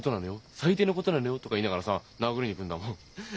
最低のことなのよ」とか言いながらさ殴りに来るんだもんフフッ。